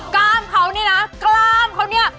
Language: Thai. กล้ามเขานี่นะกล้ามเขาเนี่ย